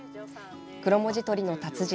クロモジとりの達人